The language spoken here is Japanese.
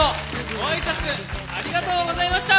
ご挨拶ありがとうございました！